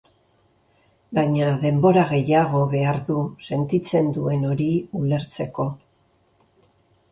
Baina denbora gehiago behar du sentitzen duen hori ulertzeko.